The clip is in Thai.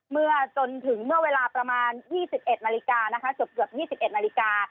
เมื่อจนถึงเมื่อเวลาประมาณ๒๑นาฬิกานะคะเกือบ๒๑นาฬิกา